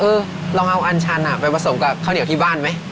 เออลองเอาอันชันไปผสมกับข้าวเหนียวที่บ้านไหม